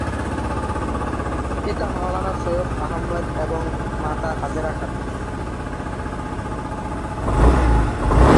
পিতা মাওলানা সৈয়দ আহমদ এবং মাতা হাজেরা খাতুন।